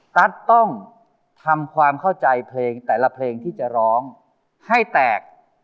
ตั๊ดต้องทำความเข้าใจเพลงแต่ละเพลงที่จะร้องให้แตก